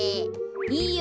いいよ。